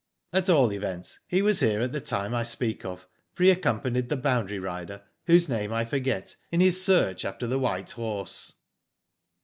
'* At all events he was here at the time I speak of, for he accompanied the boundary rider, whose name I forget, in his search after the white horse.